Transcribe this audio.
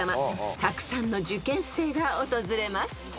［たくさんの受験生が訪れます］